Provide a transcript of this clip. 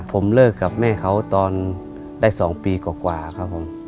ผมเลิกกับแม่เขาตอนได้๒ปีกว่าครับผม